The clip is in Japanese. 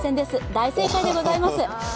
大正解でございます。